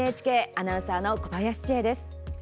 アナウンサーの小林千恵です。